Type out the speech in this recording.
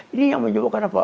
ini yang menyebabkan apa